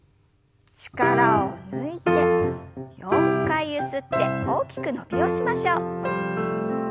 力を抜いて４回ゆすって大きく伸びをしましょう。